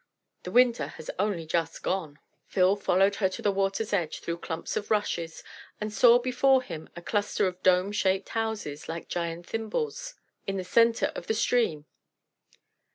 The winter has only just gone." Phil followed her to the water's edge through clumps of rushes, and saw before him a cluster of dome shaped houses, like giant thimbles, in the centre of the stream.